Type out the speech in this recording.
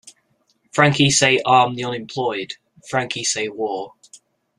"Frankie Say Arm the Unemployed", "Frankie Say War!